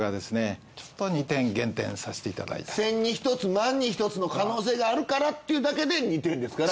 千にひとつ万にひとつの可能性があるからっていうだけで２点ですから。